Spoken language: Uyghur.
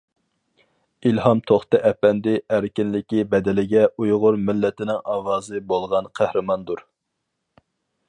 ئىلھام توختى ئەپەندى ئەركىنلىكى بەدىلىگە ئۇيغۇر مىللىتىنىڭ ئاۋازى بولغان قەھرىماندۇر .